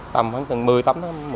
tầm khoảng một mươi tấm